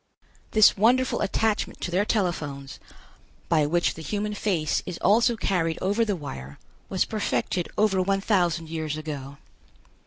This wonderful attachment to their telephones, by which the human face is also carried over the wire, was perfected over one thousand years ago.